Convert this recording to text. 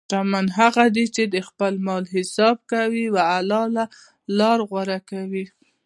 شتمن هغه دی چې د خپل مال حساب کوي او حلال لاره غوره کوي.